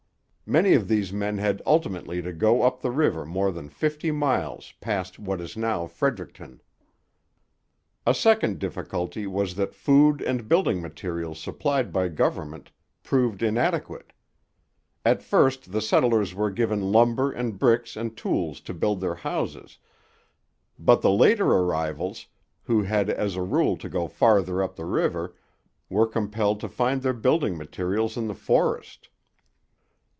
Many of these men had ultimately to go up the river more than fifty miles past what is now Fredericton. A second difficulty was that food and building materials supplied by government proved inadequate. At first the settlers were given lumber and bricks and tools to build their houses, but the later arrivals, who had as a rule to go farthest up the river, were compelled to find their building materials in the forest.